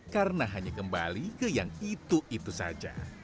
karena hanya kembali ke yang itu itu saja